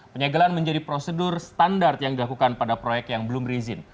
penyegelan menjadi prosedur standar yang dilakukan pada proyek yang belum berizin